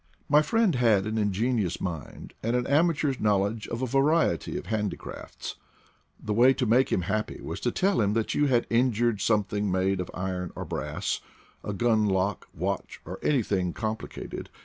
My friend had an ingenious mind and an amateur's knowledge of a variety of handicrafts. The way to make him happy was to tell him that you had injured some thing made of iron or brass — a gun lock, watch, or anything complicated.